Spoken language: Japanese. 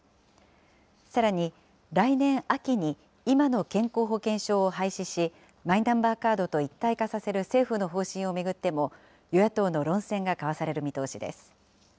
さらに来年秋に、今の健康保険証を廃止し、マイナンバーカードと一体化させる政府の方針を巡っても、与野党の論戦が交わされる見通しです。